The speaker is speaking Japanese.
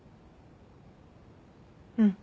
うん。